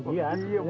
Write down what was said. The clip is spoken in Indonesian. eh iya jangan jangan